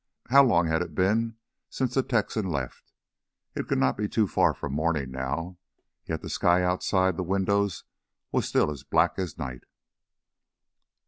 How long had it been since the Texan left? It could not be too far from morning now, yet the sky outside the windows was still as black as night.